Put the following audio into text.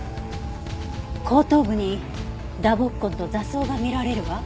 後頭部に打撲痕と挫創が見られるわ。